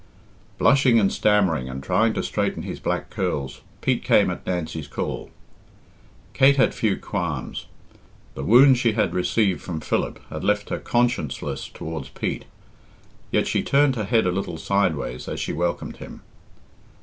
Blushing and stammering, and trying to straighten his black curls, Pete came at Nancy's call. Kate had few qualms. The wound she had received from Philip had left her conscienceless towards Pete. Yet she turned her head a little sideways as she welcomed him.